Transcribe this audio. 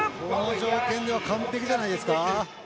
この条件では完璧じゃないですか。